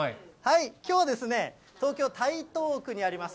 きょうはですね、東京・台東区にあります